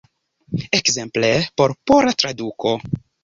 Ekzemple por pola traduko.